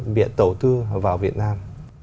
biện đầu tư vào việt nam